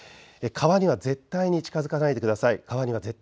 川には絶対に近づかないでください。